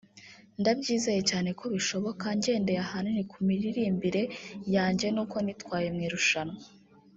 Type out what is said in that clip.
ndabyizeye cyane ko bishoboka ngendeye ahanini ku miririmbire yanjye n’uko nitwaye mu irushanwa